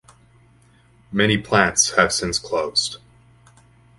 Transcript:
Many plants have since closed.